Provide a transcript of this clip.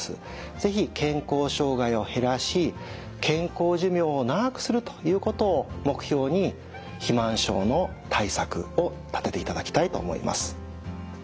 是非健康障害を減らし健康寿命を長くするということを目標に肥満症の対策を立てていただきたいと思います。